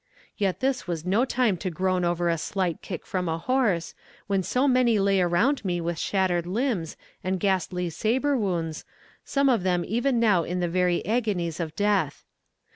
Yet this was no time to groan over a slight kick from a horse, when so many lay around me with shattered limbs and ghastly saber wounds, some of them even now in the very agonies of death.